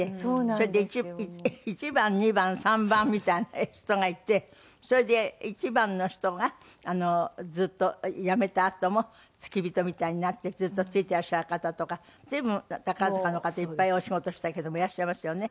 それで１番２番３番みたいな人がいてそれで１番の人がずっとやめたあとも付き人みたいになってずっと付いていらっしゃる方とか随分宝塚の方いっぱいお仕事したけどもいらっしゃいますよね。